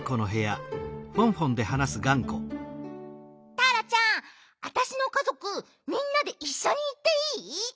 ターラちゃんわたしのかぞくみんなでいっしょにいっていい？